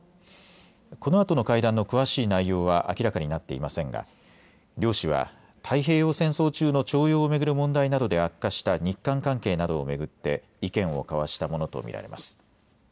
このあとの会談の詳しい内容は明らかになっていませんが両氏は太平洋戦争中の徴用を巡る問題などで悪化した日韓関係などを巡って意見を交わしたものと見られます。